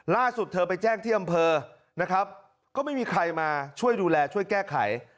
ล่าสุดเธอไปแจ้งที่อำเภอนะครับก็ไม่มีใครมาช่วยดูแลช่วยแก้ไข